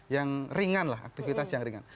yang ringan lah aktivitas yang ringan